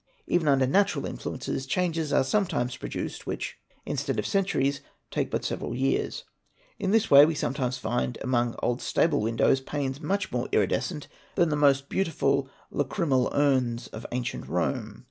Hven under natural influences, changes are sometimes produced which, instead of centuries, take but several years; in this way, we some times find, among old stable windows, panes much more iridescent than the most beautiful lacrymal urns of ancient Rome.